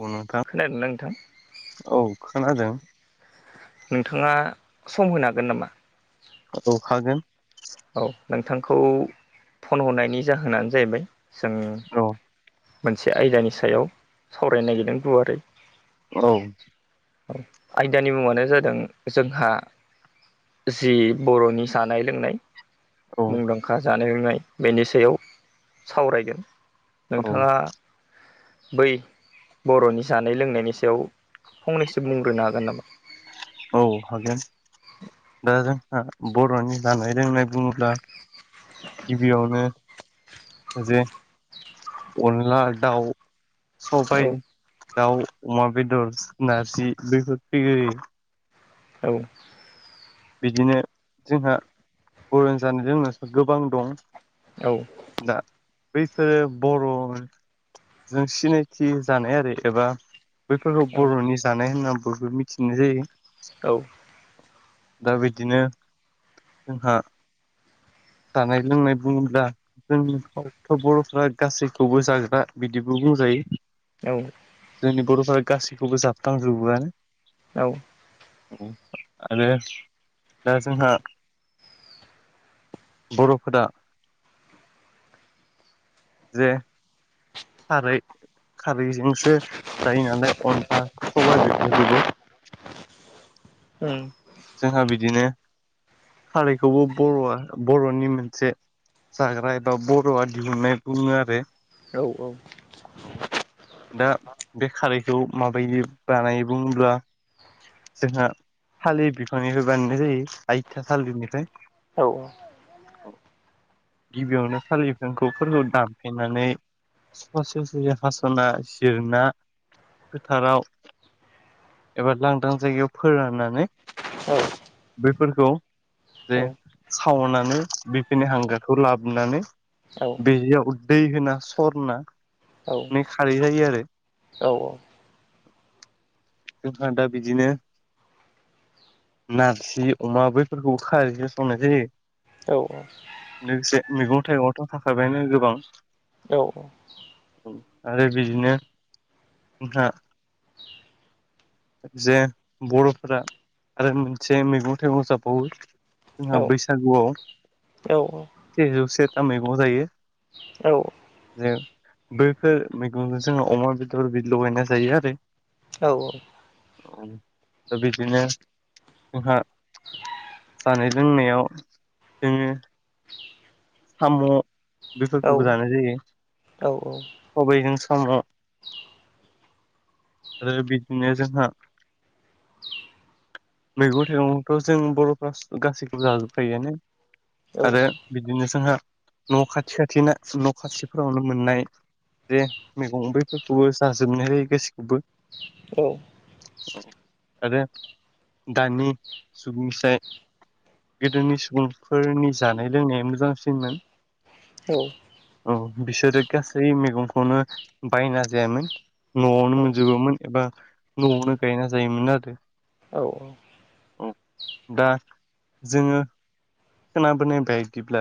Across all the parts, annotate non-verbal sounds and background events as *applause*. औ नोंथां खोनादोंना नोंथां औ खोनादों नोंथाङा सम होनो हागोन नामा? औ हागोन औ नोंथांखौ फन हरनायनि जाहोनानो जाहैबाय जों औ मोनसे आयदानि सायाव सावरायनो नागिरदों गुवारै औ औ आयदानि मुङानो जादों जोंहा जि बर'नि जानाय लोंनाय औ मुंदांखा जानाय लोंनाय बेनि सायाव सावरायगोन। औ नोंथाङा बै बर'नि जानाय लोंनायनि सायाव फंनैसो बुंग्रोनो हागोन नामा? औ हागोन। दा जोंहा बर'नि जानाय लोंनाय बुङोब्ला गिबियावनो जे अनला दाउ औ सबाय दाउ अमा बेदर नारजि बेफोर फैयोयो। औ बिदिनो जोंहा बर' जानाय लोंनाावसो गोबां दं औ दा बैफोरो बर'जों सिनायथि जानाय आरो एबा बैफोरखौ औ बर'नि जानाय होनना बयबो मिथिनाय जायो। औ दा बिदिनो जोंहा जानाय लोंनाय बुङोब्ला औ जोंथ' बर'फ्रा गासैखौबो जागोना बिदिबो बुंजायो। औ जोंनि बर'फोरा गासैखौबो जाफा्मजोबोआनो औ आरो दा जोंहा बर'फोरा जे खारै खारैजोंसो जायो नालाय अनला, सबायाइ बेफोरखौबो *inaudible* जोंहा बिदिनो खारैखौबो बर'आ बर'नि मोनसे जाग्रा एबा बरआ दिहुन्नाय बुङो आरो औ औ दा बे खारैखौ माबायदि बानायो बुङोब्ला जोंहा थालिर बिफांनिफ्राय बानायनाय जायो आइथा थालिरनिफ्राय। औ गिबियावनो थालिर बिफांफोरखौ दानफायनानै ससे ससेयै हास'ना जिरना फोथाराव एबा लांदां जायगायाव फोराननानै बैफोरखौ जे सावनानै बिफोरिनि हांगारखौ लाबोनानै औ बेयाव दैै होना सो औ सरनानै खारै जायो आरो। औ जोंहा दा बिदिनो नारजि अमा बैफोरखौ खारैजों संनाय जायो। लोगोसे मैगं थाइगंआवथ थाखाबायानो गोबां। औ आरो बिदिनो जोंहा जे बर'फोरा आरो मोनसे मैगं थाइगं जाबावो जोंहा बैसागुआव सेजौ सेथा मैगं जायो। जों बैफोर मैगंजों जोङो अमा बेदर बि लगायनाय जायो आरो। औ औ। दा बिदिनो जोंहा जानाय लोंनायाव जोङो साम' बेफोरखौबो जानाय जायो। सबाइजों साम' आरो बिद बिदिनो जोंहा मैगं थाइगंथ' जों बर'फ्रा गासैखौबो जाजोबखायोआनो। आरो बिदिनो जोंहा न' खाथि खाथिना न' खाथिफोरावनो मोननाय बे मैगंफोरखौबो जाजोबनाय जायो गासैखौबो। आरो दानि सुबुंसाय। गोदोनि सुबुंफोरनि जानाय लोंनाया मोजांसिनमोन। औ। औ बिसोरो गासै मैगंखौनो बायना जायामोन। न'आवनो मोनजोबोमोन एबा न'आवनो गायना जायोमोन आरो। उ दा जोङो खोनाबोनाय बायदिब्ला।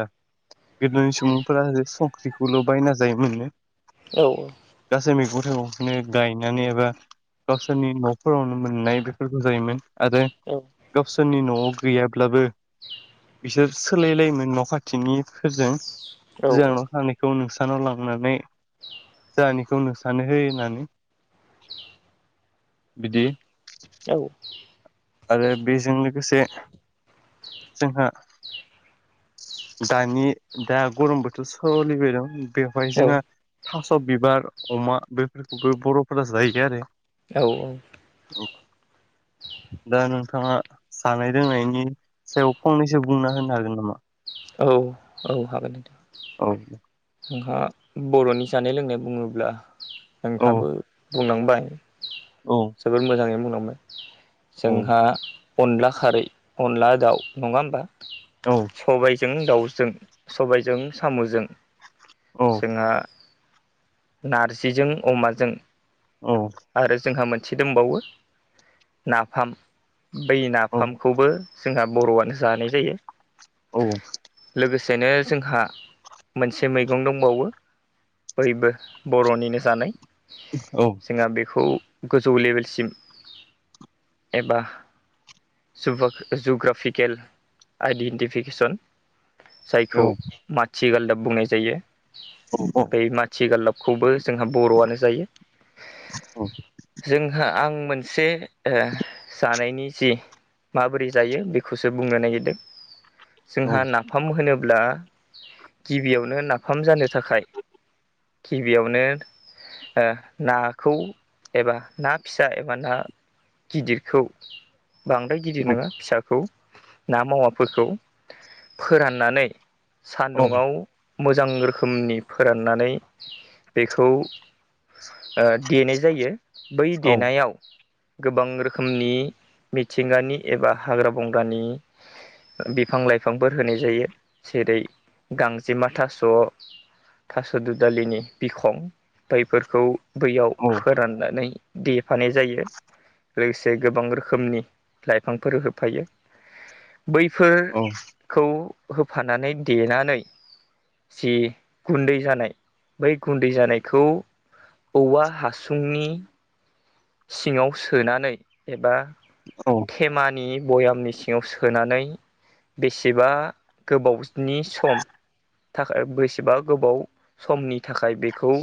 गोदोनि सुबुंफोरा संख्रिखौल' बायना जायोमोननो। गासै मैगं थाइगंखौनो गायनानै एबा गावसोरनि न'फोरावनो मोननाय बेफोरखौ जायोमोन आरो गावसोरनि न'आव गैयाब्लाबो। बिसोर सोलायलायोमोन न' खाथिनिफोरजों। जोंनाव थानायखौ नोंसानाव लांनानै। जानिखौ नोंस्रानो होननानै। बिदि औ। आरो बेजों लोगोसे जोंहा। दानि दा गरम बोथोर सोलिबाय दं बेवहाय जोंहा। थास' बिबार अमा बेफोरखौबो बर'फोरा जायो आरो। *inaudible* दा नोंथाङा जानाय लोंनायनि सायाव फंनैसो बुंना होनो हागोन नामा? हागोन नोंथां औ। जोंहा बर'नि जानाय लोंनाय बुङोब्ला औ नोंथांबो बुंलांबाय। औ जोबोद मोजाङै बुंलांबाय औ जोंहा। अनला खारै अनला दाउ नङा होमबा औ सबाइ जों दाउजों सबायजों साम'जों जोंहा नारजिजों अमाजों औ आरो जोंहा मोनसे से दंबावो नाफाम बै औ नाफामखौबो जोंहा बर'आनो जानाय जायो औ लोगोसेनो जोंहा मोनसे मैगं दंबावो बैयबो बर'निनो जानाय औ जोंहा बेखौ गोजौ लेभेलसिम एबा जुग्रा जुग्राफिकेल आइडेन्टिफिकेसन औ जायखौ माथि गालदाब बुंनाय जायो बै *inaudible* माथि गालाबखौबो जोंहा बर'आनो जायो जोंहा आं मोनसे जानायनि जि माबोरै जायो बेखौसो बुंनो नागिरदों औ जोंहा नाफाम होनोब्ला गिबियावनो नाफाम जानो थाखाय गिबियावनो आ नाखौ एबा ना फिसा एबा ना गिदिरखौ बांद्राय गिदिर नङा फिसाखौ ना मावाफोरखौ फोराननानै सान्दुङाव मोजां रोखोमनि फोराननानै बेखौ ओ देनाय जायो बै औ देनायाव गोबां रोखोमनि मिथिंगानि एबा हाग्रा बंग्रानि बिफां लाइफांफोर होनाय जायो जेरै गांजेमा थास' थास' दुदालिनि बिखं बैफोरखौ बैयाव फोराननानै दे होफानाय जायो लोगोसे गोबां रोखोमनि लाइफांफोर होफायो बैफोरखौ होफानानै देनानै जि गुन्दै जानाय बै गुन्दै जानायखौ औवा हासुंनि सिङाव सोनानै एबा औ औ औ थेमानि बयामनि सिङाव सोनानै बेसेबा गोबावनि सम थाखाय बेसेबा गोबाव समनि थाखाय बेखौ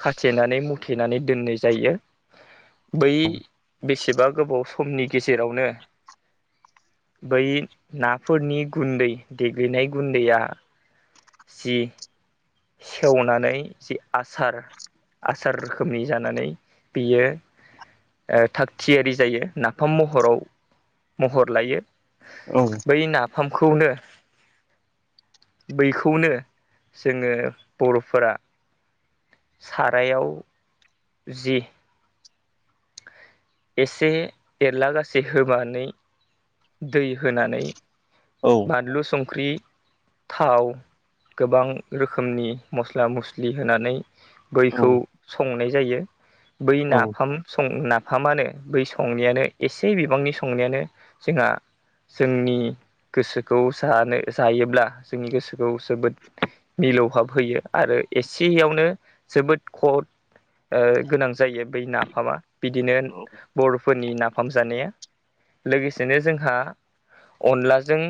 खाथेनानै मुथेनानै दोननाय जायो बै बेसे बेसेबा गोबाव समनि गेजेरावनो बै नाफोरनि गुन्दै देग्लिनाय गुन्दैया जि सेवनानै जि आसार आसार रोखोमनि जानानै बियो ओ थाग थियारि जायो नाफाम महराव महर लायो बै नाफामखौनो बैखौनो जोङो बर'फोरा सारायाव जि एसे एरला गासै होनानै दै होनानै बानलु संख्रि थाव गोबां रोखोमनि मस्ला मस्लि होनानै बैखौ संनाय जायो बै नाफाम संना नाफामानो बै संनायानो एसे बिबांनि संनायानो जोंहा जोंनि गोसोखौ जानो जायोब्ला जोंनि गोसोखौ जोबोद मिलौहाब होयो आरो एसेयावनो जोबोद खद ओ गोनां जायो बै नाफामा बिदिनो बर' फोरनि नाफाम जानाया लोगोसेनो जोंहा अनला जों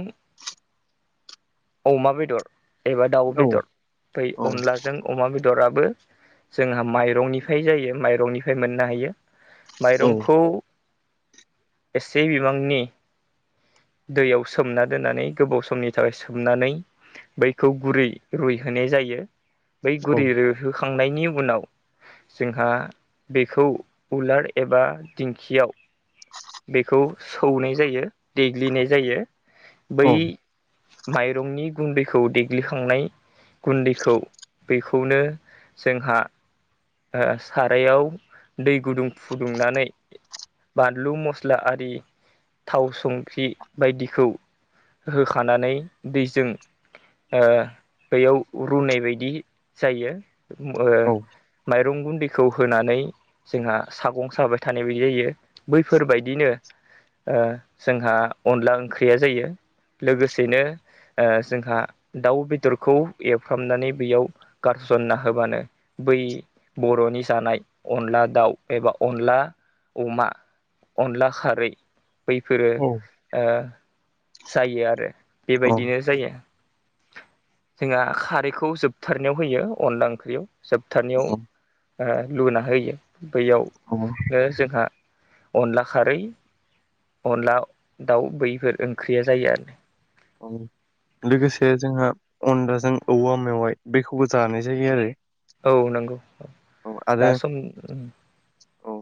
अमा बेदर एबा दाउ बेदर औ बै अनलाजों अमा बेदर। राबो जोंहा माइरंनिफ्राय जायो माइरंनिफ्राय मोननो हायो। माइरंखौ एसे बिबांनि दैयाव सोमना दोननानै गोबाव समनि थाखाय सोमनानै बैखौ गुरै रुइहोनाय जायो बै गुरै रुइहोखांनायनि उनाव जोंहा बेखौ उलार एबा दिंखियाव बेखौ सौनाय जायो देग्लिनाय जायो बै माइरंनि गुन्दैखौ देग्लिखांनाय गुन्दैखौ बेखौनो जोंहा ओ सारायाव दै गुदुं फुदुंनानै बानलु मस्ला आरि थाव संख्रि बायदिखौ होखानानै दैजों ओ बैयाव रुनाय बायदि जायो ओम माइरं गुन्दैखौ होनानै जोंहा सागं साबाय थानाय बायदि जायो बैफोरबायदिनो ओ जोंहा अनला ओंख्रिया जायो लोगोसेनो ओ जोंहा दाउ बेदरखौ एरफ्रामनानै बेयाव गारससनना होबानो बै बर'नि जानाय अनला दाउ एबा अनला अमा अनला खारै बैफोरो ओ जायो आरो बेबायदिनो जायो। जोंहा खारैखौ जोबथारनायाव होयो अनला ओंख्रियाव। जोबथारनाययाव ओ लुना होयो औ बैयावनो जोंहा अनला खारै अनला दाव बैफोर ओंख्रिया जायो आरो। लोगोसे जोंहा अनदाजों औवा मेवाइ बेखौबो जानाय जायो आरो। औ नंगौ औ दा सम औ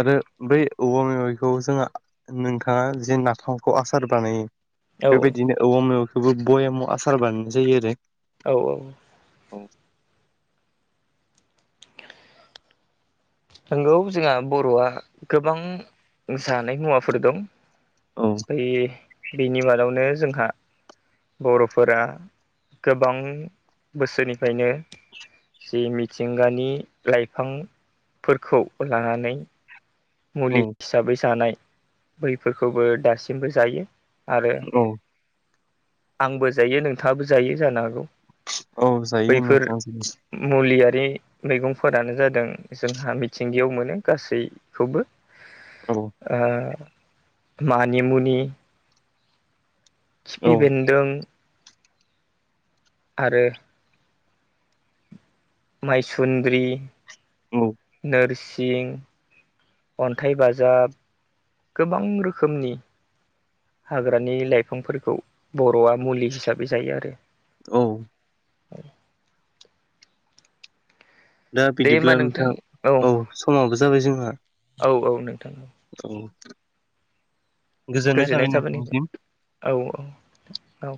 आरो बै औवा मेवाइखौ जोंहा नोंथांङा जे नाथामखौ आसार बानायो औ बेबायदिनो औवा मेवखौबो बयामाव आसार बानायनाय जायो आरो। औ औ औ नंगौ जोंहा बर'आ गोबां जानाय मुवाफोर दं। औ बेनि मादावनो जोंहा बर'फोरा गोबां बोसोरनिफ्रायनो जि मिथिंगानि लाइफां फोरखौ लानानै औ मुलि हिसाबै जानाय बैफोरखौबो दासिमबो जायो आरो औ आंबो जायो नोंथांङाबो जायो जानो हागौ। औ जायो बैफोर नोंथां मुलियारि मैगंफोरानो जादों जोंहा मिथिंगायाव मोनो गासैखौबो औ ओ मानिमुनि औ खिफि बेन्दों, आरो माइसुन्द्रि, औ नोरसिं, अन्थाइ बाजाब गोबां रोखोमनि हाग्रानि लाइफांफोरखौ बर'आ मुलि हिसाबै जायो आरो औ औ दा बिदिब्ला नोंथां औ समाबो जाबाय जोंहा औ औ नोंथां। औ गोजोननाय थाबाय नोंथांनिसिम औ औ औ